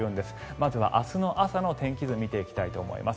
まずは明日の朝の天気図見ていきたいと思います。